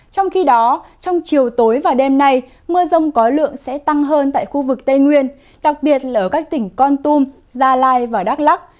trong khi đó trong chiều tối và đêm nay mưa rông có lượng sẽ tăng hơn tại khu vực tây nguyên đặc biệt là ở các tỉnh con tum gia lai và đắk lắc